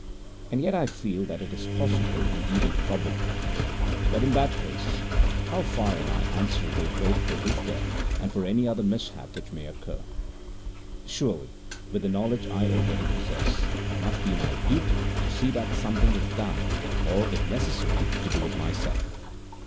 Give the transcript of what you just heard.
And yet I feel that it is possible and even probable. But in that case, how far am I answerable both for his death and for any other mishap which may occur? Surely with the knowledge I already possess it must be my duty to see that something is done, or if necessary to do it myself.